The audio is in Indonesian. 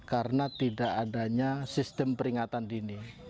karena tidak adanya sistem peringatan dini